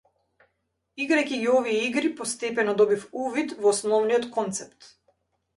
Играјќи ги овие игри постепено добив увид во основниот концепт.